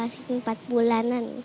sekitar empat bulanan